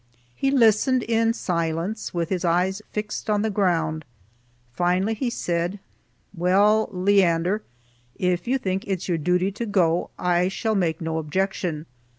He listened in silence, with his eyes fixed on the ground. Finally he said, "Well, Leander, if you think it's your duty to go, I shall make no objection.